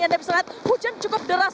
anda bisa lihat hujan cukup deras